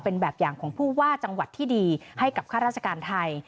เป็นแบบอย่างของผู้ว่าจังหวัดที่ดีให้กับข้าราชการไทย